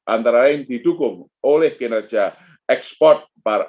antara lain didukung oleh kinerja ekspor